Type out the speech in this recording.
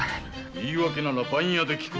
いい訳なら番屋で聞く。